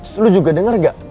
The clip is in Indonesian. eh lo juga denger gak